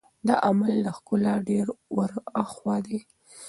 دا عمل له ښکلا ډېر ور هاخوا دی.